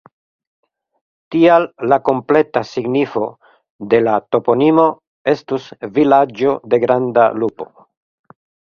Tial la kompleta signifo de la toponimo estus "vilaĝo de granda lupo".